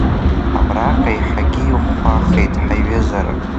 Абраҟа еиҳагьы иӷәӷәахеит ҳаиҩызара.